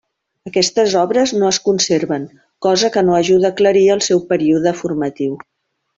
Aquestes obres no es conserven, cosa que no ajuda a aclarir el seu període formatiu.